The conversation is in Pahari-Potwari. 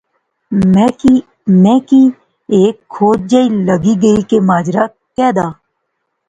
ہن میں کی ہیک کھوج جئی لغی گئی کہ ماجرا کہہ دا